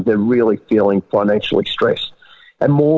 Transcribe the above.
menurut mereka benar benar merasa stres finansial